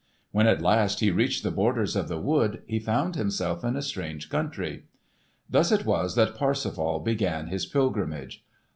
When at last he reached the borders of the wood he found himself in a strange country. Thus it was that Parsifal began his pilgrimage.